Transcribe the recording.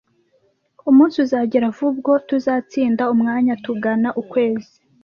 Umunsi uzagera vuba ubwo tuzatsinda umwanya tugana ukwezi.